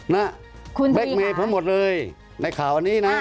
แบคเมคระบั๊กเมมช์พอหมดเลยในข่าวนี้นะ